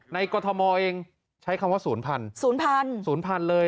ในกรัฐมอล์เองใช้คำว่าศูนย์พันธุ์ศูนย์พันธุ์เลย